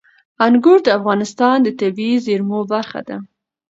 انګور د افغانستان د طبیعي زیرمو برخه ده.